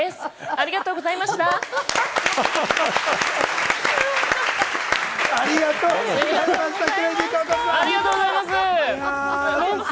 ありがとうございます。